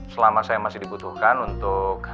selama saya masih dibutuhkan untuk